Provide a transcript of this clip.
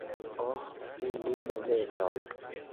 Oh, unu momenton!